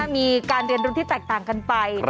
มีการเรียนรู้ที่แตกต่างกันไป